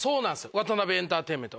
ワタナベエンターテインメント